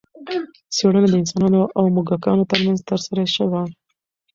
څېړنه د انسانانو او موږکانو ترمنځ ترسره شوه.